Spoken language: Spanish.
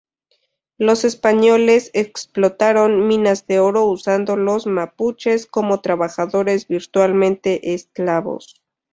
Los españoles explotaron minas de oro usando los mapuches como trabajadores virtualmente esclavos.